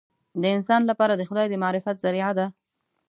د انسان لپاره د خدای د معرفت ذریعه ده.